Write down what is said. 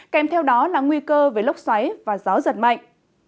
kèm theo đó là nguy cơ với lốc xoáy và gió giật mạnh